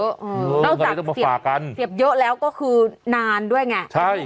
เกิดอะไรต้องมาฝากกันเสียบเยอะแล้วก็คือนานด้วยไง